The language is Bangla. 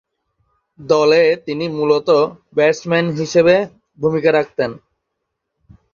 দলে তিনি মূলতঃ ব্যাটসম্যান হিসেবে ভূমিকা রাখতেন।